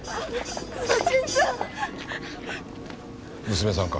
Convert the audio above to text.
娘さんか。